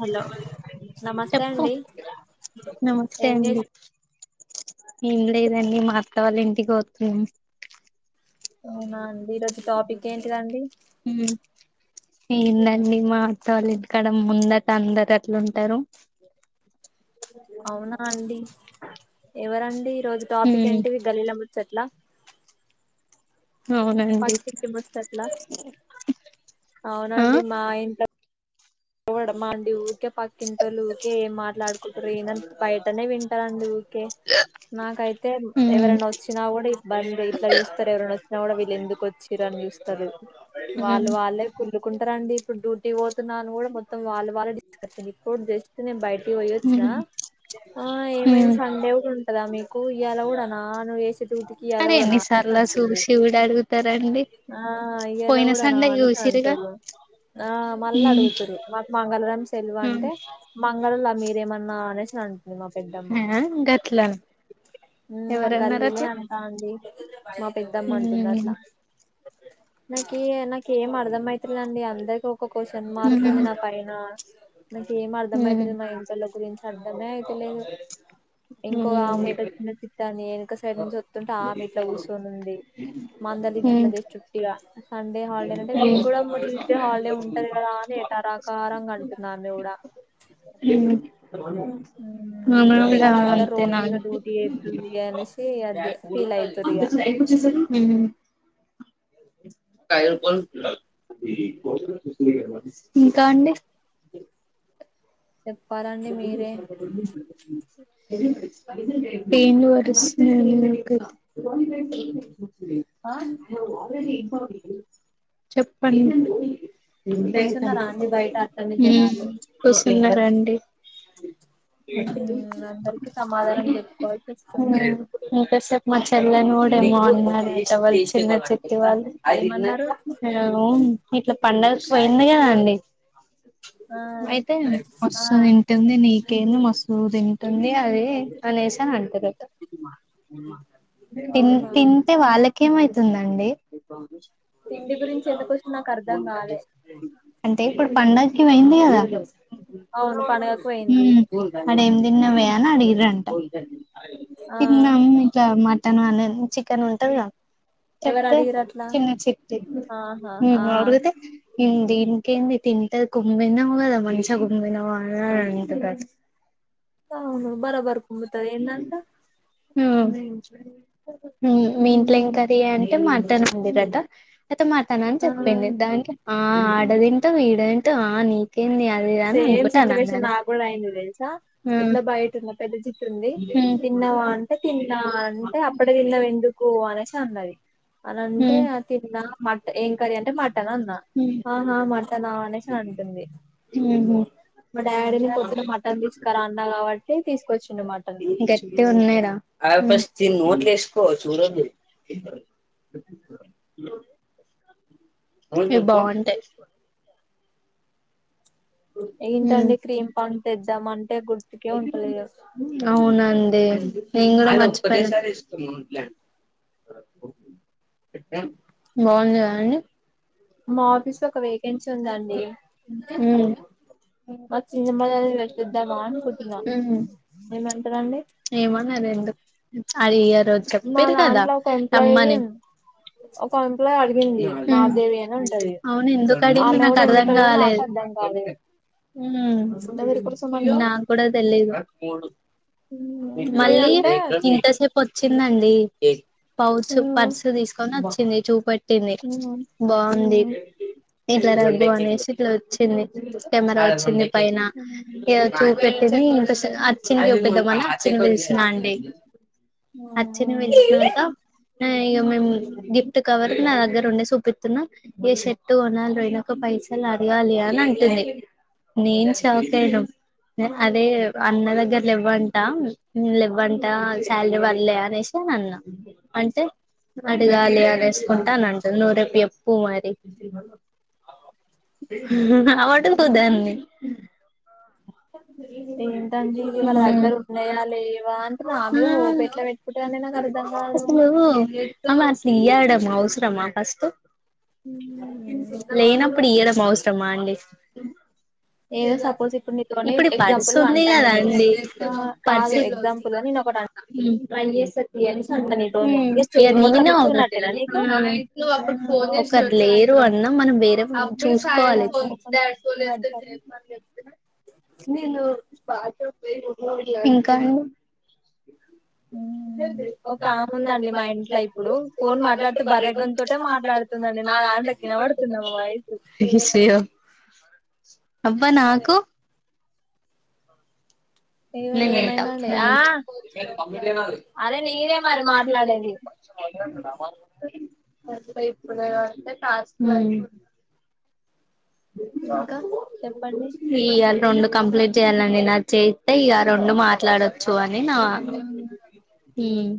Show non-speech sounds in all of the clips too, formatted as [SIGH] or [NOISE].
Hello నమస్తే అండి. నమస్తే ఏం అండి చేసి ఏం లేదండి మా అత్తవాళ్ళ ఇంటికి పోతున్నం. అవునా అండి, ఈరోజు టాపిక్ ఏంటిదండి? ఉమ్ ఏందండి మాత్తవాల్ల ఇంటికాడ ముందట అందరు అట్ల ఉంటరు. అవునా అండి, ఎవరండి? ఈ రోజు టాపిక్ హ్మ్ ఏంటివి గల్లీల ము చట్ల అవునండి పక్కింటి ముచ్చట్ల, ఆ అవునండి మా ఇంట్ల చూడడం మాండి ఊకే పక్కింటోళ్లు ఊకే ఏం మాట్లాడుకు రేన బయటనే వింటాండు. కే నాకైతే ఉమ్ ఎవరన్నా వచ్చినా కూడా ఇబ్బంది ఇట్ల చూస్తరన్నా కి గుడ వీళ్ళెందుకు వచ్చిర అని చూస్తరు, వాళ్ళు ఉమ్ వాళ్ళే కుళ్ళుకుంటరండి. ఇప్పుడు డ్యూటీ పోతున్నా అని గుడ మొత్తం వాళ్ళు ఇప్పుడు జస్ట్ నేను బయటికి పోయోచ్చినా, ఉమ్ ఆ ఏమైంది ఉమ్ సండే గుడ కదా మీకు ఇయాల కూడానా నువేషి అరె ఎన్నిసార్ల చూసి కుడా అడుగుతరండి. ఆ ఇయలా గుడానా అనేసి అంటుళ్ళు ఆ మళ్ళ అడుగు మాకు మంగళరం సెలవు ఉమ్ అంటే మంగల్లోల మీరేమన్నా అనేసి అం హ గట్లాన్ మ్మ్ గల్లీనే అంటాంది మా పెద్దమ్మ అంటుంది ఉమ్ అట్ల నాకి న ఏం అర్థమయిత్లే అండి అందరికి ఒక క్వశ్చన్ మార్క్ ఉంది ఉమ్ నా పైన నాకేం ఉమ్ అర్థమయితలేదు మా ఇంటివొళ్ళ గురించి అర్థమే అయితలేదు ఇంకో అవునండి ఆమెను పెట్ అనిపితాందే ఒక సైడ్ నుంచి వత్తుంటే ఆమె ఇట్ల కూర్చొని ఉంది. మందలిచ్చిన ఉమ్ జస్ట్ ఉట్టిగా సండే హాలి లేదంటే నీకు గుడా ట్యూస్డే హాలిడే ఉంటది కదా అని ఏటరాకారంగా అంటుంది ఆమె గుడా హ్మ్ [UNINTELLIGIBLE] వాళ్ళందరు అంతే రోహిణి నా ఇగ డ్యూటీ చేస్తుంది అనేసి అదే ఫీల్ అయితుర్రు ఇగ హ్మ్ టయ ఇంకా అండి [UNINTELLIGIBLE] చెప్పాలండి మీరే పేన్లు కరుస్తున్నాయి అండి ఆ నాకు ఆల్ెడి ఇంపార్టెంట్ చెప్పండి హ్మ్ కూర్చున్నారా అండి బయట అట్లనే జనాలు కుసున్నారా [INAUDIBLE] అందరికి సమాధానం చెప్పుకోవాల్సి వస్తుంది ఇంకా చెప్పు మా చెల్లెని ఎవడెమో అన్నారట వాళ్ చిన్న చిట్టి వాళ్ళు ఏమన్నారు ఇట్లా పండగ సేమ్యా ఉంది ఆహా ఆ అని అంటుంది నీకేంది మస్తూ తింటుంది అది అనేసి అని అంటదట మా మ్మ్మ్మ్ తిం తింటే వాళ్ళకేమైతుందండి తిండి గురించి రిలివ ఎందుకు వచ్చింది నాకు అర్ధం కాలే అంటే ఇప్పుడు పండక్కి పొయింది కదా అవును పండగకు పోయింది హ్మ్ మరి ఏం తిన్నావె అని అడిగిరంట ఆ తిన్నం ఇట్లా మటన్ అనెది చికెన్ ఉంటది గ ఎవరు అడిగిరు అట్లా చిన్న చిక్తి ఆహా ఆ హ్మ్ అడుగుతే మ్మ్ దీనికెంది తింటది కుంభినవ్ గాద మంచిగ కుంభినవ్ ఆ అంత పాస్క్ అవును బరా బర్ బరాబర్ ఉంటది కుమ్ముతది ఏందంట ఇదంతా ఉమ్ మీ ఇంట్లో ఏం కర్రీ అంటే మటన్ ఉంది కదా నాతో మార్తనని ఆ చెప్పింది దానికి ఆ ఆడ తింటవ్ ఇడ తింటవ్ ఆ నీకేంది అది ఇది సేమ్ అనుకుంట అని సిచ్యువేషన్ నాకు కూడా అన్నది అయింది తెలుసా హ్మ్ అందర్ బయట ఉన్నమ్ పెద్ద చిట్టి ఉంది హ్మ్ తిన్నావా అంటే [UNINTELLIGIBLE] పో అనేసి అన్నది అని అంటే ఆ తిన్నా మట్ ఏం కర్రీ అంటే మటన్ అన్నా ఆహా మటన్ అనేసి ఉంటుంది హు హ్మ్ మా డాడీ వాళ్ళకి మటన్ మాటన్ తీసుకురా తీస్కరా అన్నా కాబట్టి తీసుకొచ్చిండు మటన్ గట్టి గున్నాయిరా ఎం కర్రీ అవి బాగుంటాయి ఏంటండి క్రీమ్ పాన్ తెద్దామంటే గుర్తుకే ఉంటలేదు అవునండి నేను కుడ మర్చిపోయ మీ మమ్మి లేదా అండి మా ఆఫీస్లో ఒక వికేన్సీ ఉందండి ఉమ్ మా వొచ్చింది చిన్నమ్మ మళ్లీ దాన్ని పెట్టిద్దామా అనుకుంటున్నా ఉమ్ ఏమంటారండి [UNINTELLIGIBLE] ఏమో ఎందుకు అది ఇయర్ రోజు మా చెప్పిరు కదా దాంట్లో ఒక ఎంప్లాయి తమ్మని ఒక ఆ అక్కా ఎంప్లాయ్ అడిగింది మాధవి సిరి అని ఎట్టుంది ఉంటది అవును ఎందుకు అడిగింది ఆమె నాకు కూడా ఎందుకు అర్ధం అడిగిందో నాకు కాలేదు. అర్థం కాలే ఉమ్, ఎవరి కోసం అంట నాకు కూడా తెలిదు. మల్లి నేనంటే ఇంతసేపూ వొచ్చి ఉందండి పౌచ్ పర్సు తీసుకొని వచ్చింది చూపేట్టింది బాగ్ ఉంది ఇట్లా రద్దు అనేసి ఇట్లా వచ్చింది. కెమెరా వచ్చింది పైన ఇగ చూ పెట్టింది ఇంకా అచ్చింది చుపిద్దామని అచ్చింది. దిస్న్నాండి. హచ్చింది వీల్షినాక ఆ ఎగ మేము గిఫ్ట్ కవర్ నా దగ్గర ఉండే చూపి పితున్న ఇగ షర్ట్టు కొనాలరా ఎనొక పైసలు అడగాలి అని అంటుంది. నేను షాకాయినాం అదే అన్న దగ్గర లేవ్వంట లేవ్వంట శాలరీ వల్లే అనేషి అని అన్నా అంటే అడగాలి అనేసుకుంటా అని అంటుంది నువ్ రేపు ఎప్పు మరీ అడుగు దాన్ని హా ఏంటండి ఇవి వాళ్ళ దగ్గర ఉన్నాయా లేవా అంటే నా మీద హోప్ ఎట్లా పెట్టుకుంటారని నాకు అర్థం కాదు అసలు ఆమె అసలు ఇయడమా అవసరమా ఫస్ట్ లేనప్పుడు ఈయడం అవసరమా అండి. ఏదో సపోజ్ ఇప్పుడు నీతోని ఇప్పుడు ఈ పర్సు ఎగ్జాంపుల్ ఉంది అంటా నేను కదాండి పర్స్ కాదు ఎగ్జాంపుల్ గా నేను ఒకటి మ్ పని చేసే సరక్ నీతోని ఇక చెయ్ మొత్తం ఇస్తున్నట్టేనా నీకు [UNINTELLIGIBLE] ఎ ఫోన్ చేసి లేరు అన్న మనం వేరే ఫోన్ చూసుకోవాలి. నేను వాట్సాప్ ఫేస్బుక్ గిట్ల ఇంకా అండి. అ ఒక అమెవుందండి మా ఇంట్ల ఇంట్లో ఇప్పుడు ఫోన్ మాట్లాడుతే మాట్లాడితే బర్రె బర్రెగం గొంతుతో తోటే మాట్లాడుతుందండి నా మాట్లాడ్ దాంట్లోకి వినబడుతుందా మా వాయిస్ విషయో అబ్బా నాకు ఏమైనా నేను ఎలత ఏమైందండి ఆ మ్ అరే నేనే మరి మాట్లాడేది. అందుకే ఇప్పుడు అంటే టాస్క్ అయి ఇంకా చెప్పండి ఈ ఇయల రెండు కంప్లీట్ చేయాలండి నాది చేయ్ అంటే ఇక రెండు మాట్లాడొచ్చు అని నా హ్మ్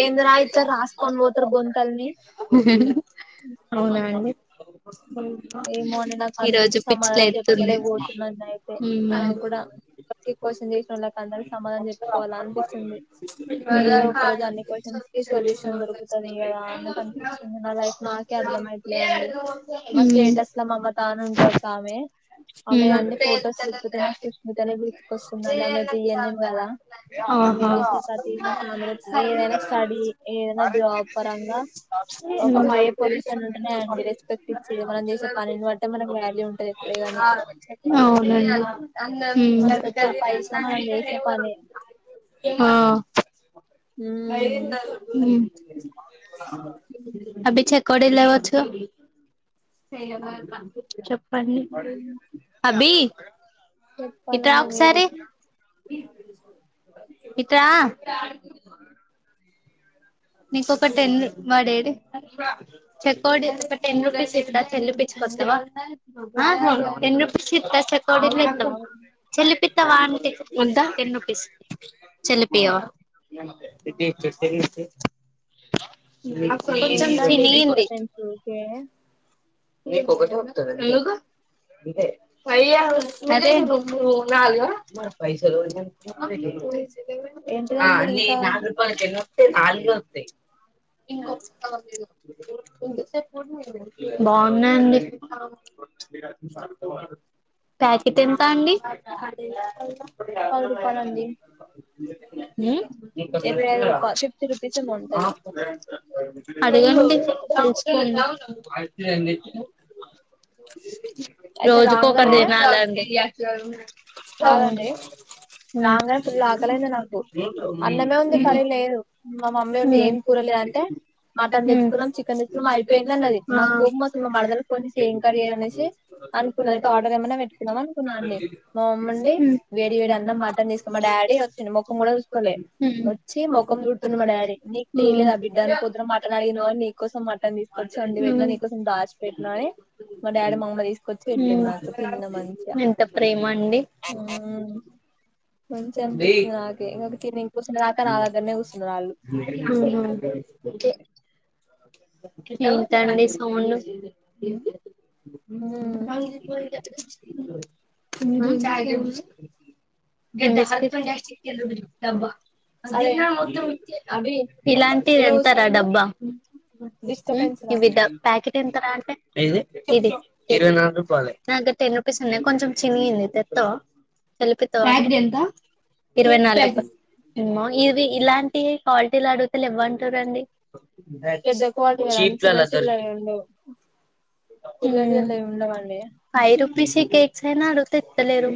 ఏంది రా ఏందిరా ఇట్లా రాసుకుని రాసుకొని పోతారు పోతున్నావు. గొంతల్ని అవునండి అందరికీ సమాధానం చెప్పుకోలే పోతున్నా నేయితే హ్మ్ నా హ్మ్ కూడా ప్రతి క్వశ్చన్ చేసినోళ్ళకి అందరీ సమాధనం చెప్పుకోవాల అనిపిస్తుంది. ఏదో ఒక రోజు అన్ని క్యూస్షన్స్ కి సొల్యూషన్ దొరుకుతది. గదా ఆ నాక్ అనిపించింది నా లైఫ్ నాకే అర్ధమైతలే అని మా స్టేటస్ ల మ్మమ్ లాను ఉంటా ఒక ఆమె ఆమె అన్ని హ్మ్ ఫోటోస్ చుతుంటే నాకు సుష్మితనే గుర్తుకొస్తుందండి ఆమె జు ఈ ఏం ఎమ్ కదా ఆమె స్ ఆహా థర్టీ నా ఆమె ఏదైనా స్టడీ ఏదైనా జాబ్ వర్క్ పరంగా చ్చ్ ఒక పై పొజిషన్ ఉంటనే అండి రెస్పెక్ట్ ఇచ్చేది మనం చేసే పనిని బట్ అంటే మనకు వాల్యూ ఉంటది ఎప్పుడేగాని ఆ చెప్పాలంటే మనకు వచ్చే పైసా మన లేసే పనే ఆ కట్ ఎత్తన్నా ఉమ్ అభి చె కోడి లేవచ్చు గా చేయలే అట్లా చెప్పండి అభి ఇట్రా చెప్పాలండి మీరే ఇత్ర నీక ఒక టెన్ వాడేది చెక్కడి టెన్ రూపీస్ ఇక్కడ చెల్లిించ వస్తేవా ఎం రుపీస్ ఇక్కౌడిర్ చెలిపిత్తవా అంటే ముందా ఎన్ను పస్ చెల పయా కొంచం ఏంటండి చినిగింది డిస్టర్బెన్స్ ఊకే [UNINTELLIGIBLE] భయ్యా అదే నువ్వు నాలుగా ఆ ఏంటిదండి నీ ఇంకా నాలుగు రూపాయలు చేయిలో నాలుగే ఉంది. ఇంకొక్కటి ఇవ్వు బాగున్నాయండి ఫ ప్యాకెట్ ఎంత అండి అ రూపీస్ ఏమో ఉంటది అడుగా పంచుకుందాం. రైట్ అయితే రోజుకో ఒక రాంగనే తినాలండి తెలియకుండా ఉంది. కాదండి నా రాంగానే ఫుల్ మ ఆకలైంది నాకు అన్నమే ఉంది కర్రీ లేదు మా మమ్మీ ఉండి ఏం కూరలేదు అంటే [INAUDIBLE] మటన్ మాటతీసుకున్నాం తెచ్చుకున్నాం చికెన్ సిక్స్ కు తెచ్చుకున్నాం అయిపోయింది అన్నది మస్తు నాకు కోపం వస్తుంది. వచ్చింది ఇప్పుడు మా మరదలకి ఫోన్ మాట్లాడుకుంది చేసి ఏం కర్రీ అని అనేసి అయితే అనుకున్నా అనుకున్నది అయితే ఆర్డర్ ఏమన్నా పెట్టుకునేవాళ్ళం పెట్టుకుందాం అనుకున్నా అండి ఏంటి? మా మమ్మీ మండే ఉండి హ్మ్ వేడి వేడి అన్నం మటన్ బాక్స్ తీసుకు లో మా డాడి డాడీ వచ్చి వచ్చిండు ముఖం కూడా తీసుకొని చూసుకోలే పోయిండు. వచ్చి మచ్చి ముఖం హపంటుంది చూడుతుండు మా మడా డాడీ నీకు తెలీదా బిడ్డ బిడ నువ్వు పొద్దున మటన్ అడిగినవ్ మాట్లాడిీకోసం నీకోసం మాట్లా మటన్ తీసుకొచ్చి వండి పెట్టినా నీకోసం దాచి పెట్టినా పాచిపోయింది. అని మా డాడీ మా కూడా అమ్మ వచ్చి తీసుకొచ్చి పెట్టిరు తీసుకొని నాకు తిన్న మంచిగా పోయిండు. ఎంత ప్రేమ అండి మంచిగా మ్మే అనిపించింది నాకే ఇంక తిని కూర్చునేదాకా సాధన నా [INAUDIBLE] దగ్గరనే కూర్చున్నారు వాళ్ళు మ స హ్మ్ [INAUDIBLE] చాయ్ గాని గెన్నిసార్లు తీసిన ఇంగ ఈ చీకెందోబ్బా. సరే అభి ఇలాంటిది ఈడ కూర్చో ఎంతర నువ్వు డబ్బా డిస్టర్బెన్స్ రా వి ప్యాకెట్ ఎంతర అంటే ఇది ఇ టెన్ రూపీస్ ఉన్నాయి కొంచెం చినిగింది తె ప్యాకెట్ ఎంత ఇరవై నాలుగు రు ఇమ్మ ఇది ఇలాంటిఇ క్వాలిటీలు అడుగుతే లేవ్వంటారండి ప్రాక్టీస్ పెద్ద క్వాలిటీ అయిపోవాలి. కదండి చీఫ్ గా చిల్ల లతలు చిల్లవి ఉండవు చిల్ల చిల్లవి ఉండవండి ఫైవ్ రుపీస్ కేక్స్ అయినా అడుగుథే ఇత్తలేరు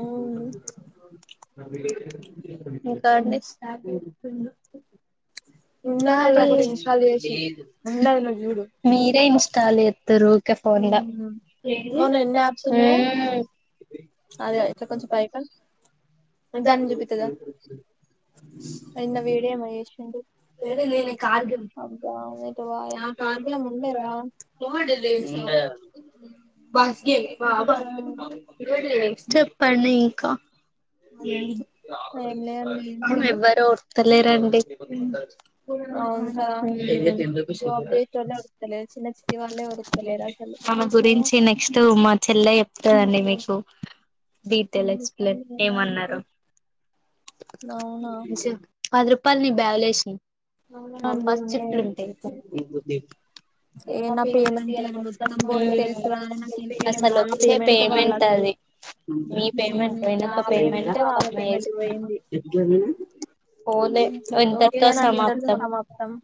ఓహ్ ఇంకా అండీ అ ఉన్నదల్ల ఒకటి ఇన్స్టాల్ చేసి ఉన్నది నువ్వు చూడు మీరే ఇన్స్టాల్ చెతురు ఇక ఫోన్ లో హ్మ్ మొన్న ఎన్ని యాప్స్ ఉన్నాయో అదే ఇట్లా కొంచెం ప్ప పైకా [INAUDIBLE] ఇంద వీడియో ఏమోచేసిండు. ఆర్గ్య ఉండరా? చెప్పడి ఇంకా ఏం లేదండి ఎవ్వరు డతలేరండి అవును అవునా, కదా ఇంకా టెన్ రూపీస్ జాబ్ ఇవ్వాలి. చేసేటోళ్ళే ఉరుకుతలేరు చిన్న చిట్టి వాళ్ళే ఉరుకుతలేరు అసలు ఆమె చూసినవా గురించి నెక్స్ట్ మా చెల్లె చెప్తాదండి మీకు డీటెల్ ఎక్స్ప్లెన్ ఏమన్నారో అవునా పది రూపాయలు నీ బ్యాగులేసిన అవునా అండి ఫస్ట్ జిప్లో ఉన్నాయి ఉంటాయి ఏ నా పేమెంట్ మ్మ్మ్ ఇయ్యాల మొత్తం పోయింది తెలుసు గాని నాకు ఈ పేమెంట్ నా అస్సలొచ్చేసే వాళ్ళు పేమెంట్ అది అసలు మీ పేమెంట్ నా ఇకొంక పేమెంట్ పేమెంటే తో ఒక వాళ్ళ అమ్మాయి పేమెంట్ ఎస్ పోయింది పోలే ఇంతటితో ఓకేనండి ఇంతటితో సమాప్తం సమాప్తం